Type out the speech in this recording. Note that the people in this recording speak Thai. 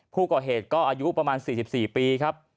ผู้ก่อเหตุก็อายุประมาณ๔๔ปีครับ